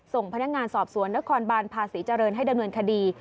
ส่งพนักงานสอบสวนนครบานภาษีเจริญให้ดำเนินคดี